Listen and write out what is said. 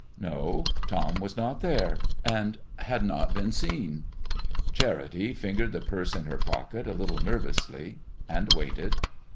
No, Tom was not there, and had not been seen. Charity fingered the purse in her pocket a little nervously, and waited.